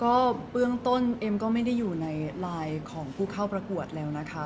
ก็เบื้องต้นเอ็มก็ไม่ได้อยู่ในไลน์ของผู้เข้าประกวดแล้วนะคะ